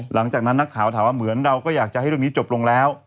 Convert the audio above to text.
หลังจากนั้นนักข่าวถามว่าเหมือนเราก็อยากจะให้เรื่องนี้จบลงแล้ว